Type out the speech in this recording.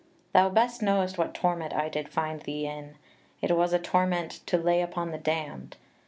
Thou best know'st What torment I did find thee in, .. it was a torment To lay upon the damn'd